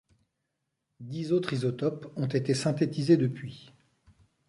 Dix autres isotopes ont été synthétisés depuis.